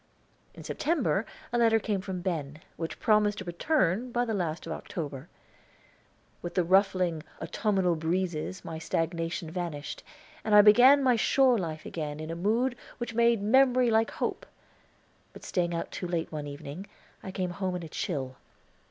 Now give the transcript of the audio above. In September a letter came from Ben, which promised a return by the last of October. With the ruffling autumnal breezes my stagnation vanished, and I began my shore life again in a mood which made memory like hope; but staying out too late one evening, I came home in a chill.